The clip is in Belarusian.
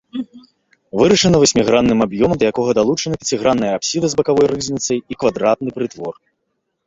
Вырашана васьмігранным аб'ёмам, да якога далучаны пяцігранная апсіда з бакавой рызніцай і квадратны прытвор.